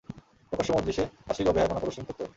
প্রকাশ্য মজলিসে অশ্লীল ও বেহায়াপনা প্রদর্শন করত।